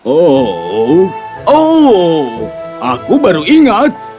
oh oh aku baru ingat